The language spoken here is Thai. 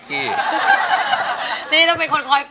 ค่ะ